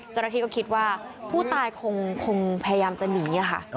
เจ้าหน้าที่ก็คิดว่าผู้ตายคงพยายามจะหนีค่ะ